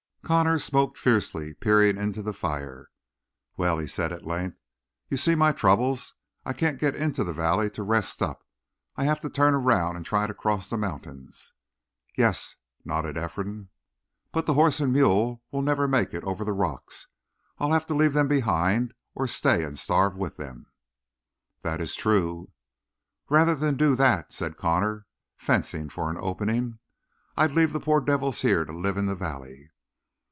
Connor smoked fiercely, peering into the fire. "Well," he said at length, "you see my troubles? I can't get into the valley to rest up. I have to turn around and try to cross those mountains." "Yes," nodded Ephraim. "But the horse and mule will never make it over the rocks. I'll have to leave them behind or stay and starve with them." "That is true." "Rather than do that," said Connor, fencing for an opening, "I'd leave the poor devils here to live in the valley."